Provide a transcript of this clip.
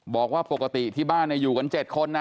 บอกว่าปกติที่บ้านเนี้ยอยู่กันเจ็ดคนนะ